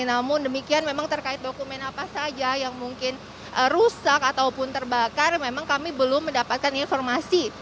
namun demikian memang terkait dokumen apa saja yang mungkin rusak ataupun terbakar memang kami belum mendapatkan informasi